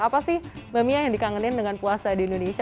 apa sih mbak mia yang dikangenin dengan puasa di indonesia